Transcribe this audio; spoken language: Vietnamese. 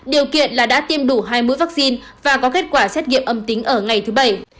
điều kiện là đã tiêm đủ hai mũi vaccine và có kết quả xét nghiệm âm tính ở ngày thứ bảy